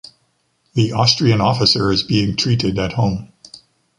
The Austrian officer is being treated at home.